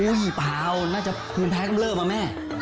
อุ้ยไม่เปล่าน่าจะภูมิแพ้กำเริ่มอ่ะแม่